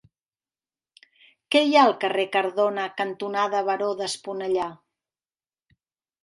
Què hi ha al carrer Cardona cantonada Baró d'Esponellà?